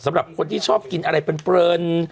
สำหรับคนที่ชอบกินอะไรเพลิน